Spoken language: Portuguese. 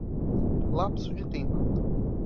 Lapso de tempo